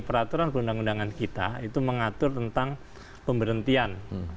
peraturan perundang undangan kita itu mengatur tentang pemberhentian